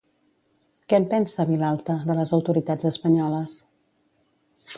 Què en pensa, Vilalta, de les autoritats espanyoles?